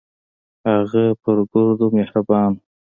هغه پر ګردو مهربان و.